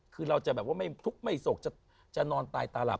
คือเราจะแบบว่าไม่ทุกข์ไม่โศกจะนอนตายตาหลับ